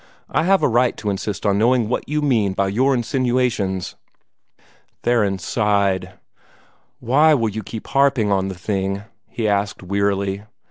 I have a right to insist on knowing what you mean by your insinuations." Theron sighed. "Why will you keep harping on the thing?" he asked wearily.